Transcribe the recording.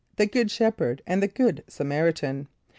The Good Shepherd and the Good Samaritan.